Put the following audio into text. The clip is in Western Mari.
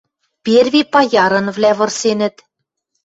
Перви паярынвлӓ вырсенӹт...